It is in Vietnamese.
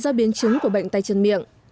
do biến chứng của bệnh tay chân miệng